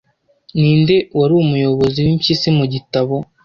Ninde wari umuyobozi w'impyisi mu gitabo